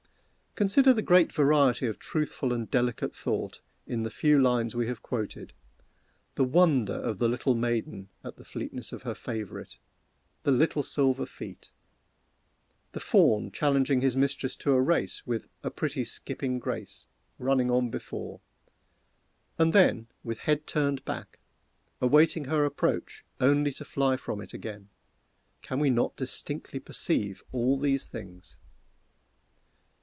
Consider the great variety of truthful and delicate thought in the few lines we have quoted the _wonder _of the little maiden at the fleetness of her favorite the "little silver feet"—the fawn challenging his mistress to a race with "a pretty skipping grace," running on before, and then, with head turned back, awaiting her approach only to fly from it again can we not distinctly perceive all these things?